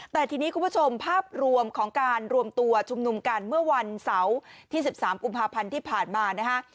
แต่ทีนี้คุณผู้ชมภาพรวมของการรวมตัวชุมนุมกันเมื่อวันเสาร์ที่๑๓กุมภาพันธ์ที่ผ่านมานะฮะ